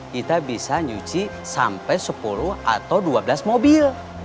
kita bisa nyuci sampai sepuluh atau dua belas mobil